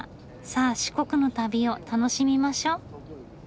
さあ四国の旅を楽しみましょう！